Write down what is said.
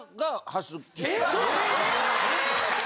・え！！